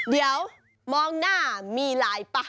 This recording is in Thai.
เดี๋ยวมองหน้ามีไลน์ป่ะ